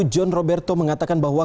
john roberto mengatakan bahwa